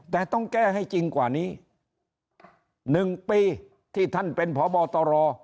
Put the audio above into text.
แต่ต้องแก้ให้จริงกว่านี้๑ปีที่ท่านเป็นพบตร